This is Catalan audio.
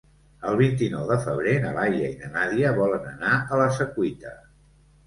El vint-i-nou de febrer na Laia i na Nàdia volen anar a la Secuita.